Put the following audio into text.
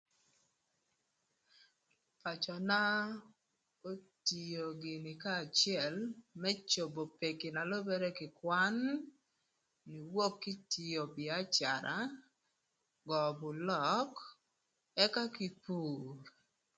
Pacöna otio gïnï kanya acël më cobo peki na lübërë kï kwan wök ki tio bïacara göö bülök ëka kï pur